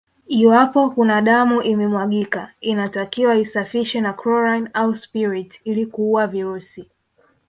Iwapo kuna damu imemwagika inatakiwa isafishwe na chlorine au spirit ili kuua virusi